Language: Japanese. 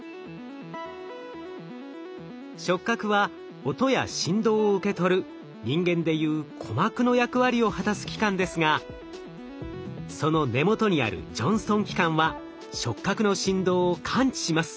触角は音や振動を受け取る人間でいう鼓膜の役割を果たす器官ですがその根元にあるジョンストン器官は触角の振動を感知します。